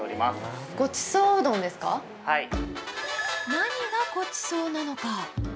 何がごちそうなのか？